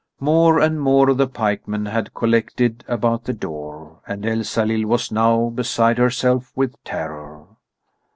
More and more of the pikemen had collected about the door, and Elsalill was now beside herself with terror.